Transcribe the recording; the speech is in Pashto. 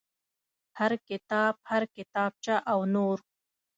هر کتاب هر کتابچه او نور.